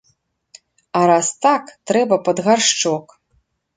А раз так, трэба пад гаршчок.